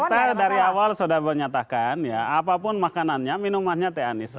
kita dari awal sudah menyatakan ya apapun makanannya minumannya teh anies